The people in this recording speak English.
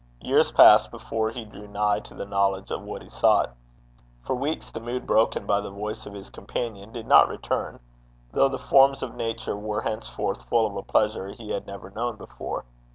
Years passed before he drew nigh to the knowledge of what he sought. For weeks the mood broken by the voice of his companion did not return, though the forms of Nature were henceforth full of a pleasure he had never known before.